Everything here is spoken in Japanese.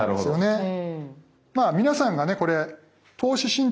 うん。